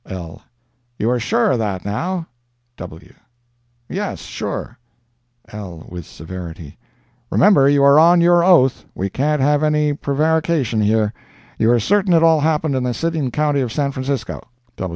L.—"You are sure of that, now?" W—"Yes, sure." L.—(With severity)—"Remember, you are on your oath—we can't have any prevarication here. You are certain it all happened in the city'n county of San Francisco?"